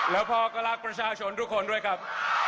แล้วพ่อก็รักประชาชนทุกคนด้วยครับ